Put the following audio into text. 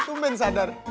tuh band sadar